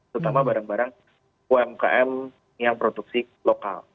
terutama barang barang umkm yang produksi lokal